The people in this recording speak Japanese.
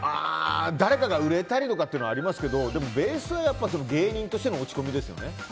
誰かが売れたりとかっていうのはありますけどベースは芸人としての落ち込みですよね。